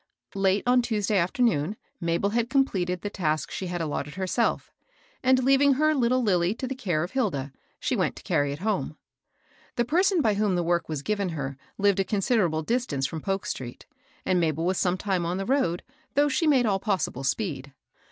Late on Tuesday afternoon Mabel had completed the task she had allotted herself; and, leaving her little Lilly to the care of Hilda, she went to carry it home. The person by whom the work was given her lived a considerable distance from Polk street, and Mabel was some time on the road, thoogh she made all possible speed.